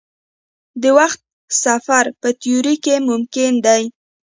د وخت سفر په تیوري کې ممکن دی.